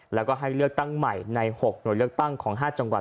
แล้วก็ให้เลือกตั้งใหม่ใน๖หน่วยเลือกตั้งของ๕จังหวัด